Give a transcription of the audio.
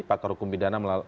pakar hukum bidana